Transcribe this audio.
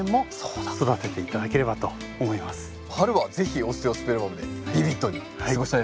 春は是非オステオスペルマムでビビッドに過ごしたいですね。